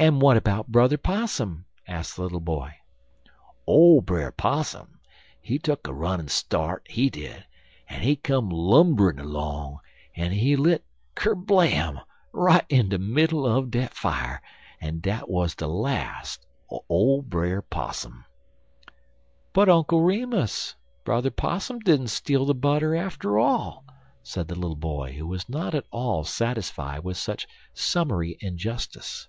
"And what about Brother Possum?" asked the little boy. "Ole Brer Possum, he tuck a runnin' start, he did, en he come lumberin' 'long, en he lit kerblam! right in de middle er de fier, en dat wuz de las' er ole Brer Possum." "But, Uncle Remus, Brother Possum didn't steal the butter after all," said the little boy, who was not at all satisfied with such summary injustice.